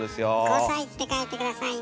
「５さい」って書いて下さいね。